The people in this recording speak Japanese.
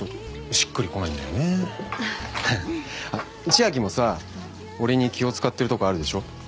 千明もさ俺に気を使ってるとこあるでしょ。